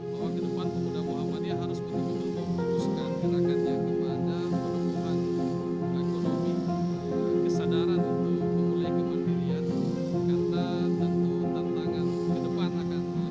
bahwa ke depan muda muhammadiyah harus betul betul memutuskan gerakannya kepada penemuan ekonomi